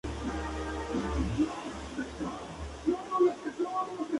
Arthur se enrolla en las vides que luego se tiran cada vez más apretado.